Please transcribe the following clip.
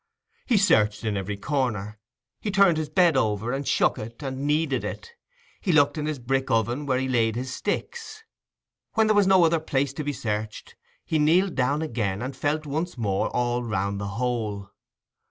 He searched in every corner, he turned his bed over, and shook it, and kneaded it; he looked in his brick oven where he laid his sticks. When there was no other place to be searched, he kneeled down again and felt once more all round the hole.